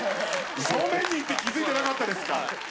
正面にいて気付いてなかったですか。